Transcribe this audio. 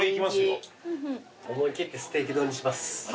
思い切ってステーキ丼にします。